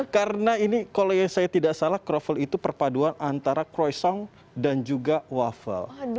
karena ini kalau saya tidak salah krovel itu perpaduan antara croissant dan juga waffle